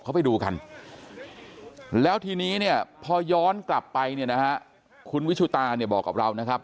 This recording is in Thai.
เขาไปดูกันแล้วทีนี้เนี่ยพอย้อนกลับไปเนี่ยนะฮะคุณวิชุตาเนี่ยบอกกับเรานะครับ